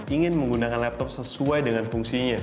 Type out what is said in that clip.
ingin menggunakan laptop sesuai dengan fungsinya